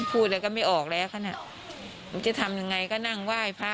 พูดอะไรก็ไม่ออกแล้วคันน่ะเขาจะทำยังไงก็นั่งว่ายพระว่าย